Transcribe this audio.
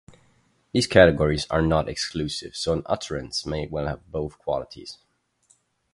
These categories are not exclusive, so an utterance may well have both qualities.